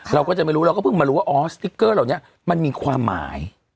เราก็จะไม่รู้เราก็เพิ่งมารู้ว่าออสติ๊กเกอร์เหล่านี้มันมีความหมาย